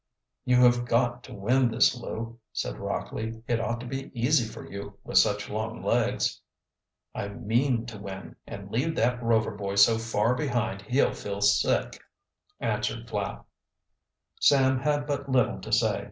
"You have got to win this, Lew," said Rockley. "It ought to be easy for you, with such long legs." "I mean to win and leave that Rover boy so far behind he'll feel sick," answered Flapp. Sam had but little to say.